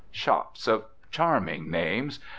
Shops of charming names!